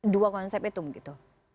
dua konsep itu begitu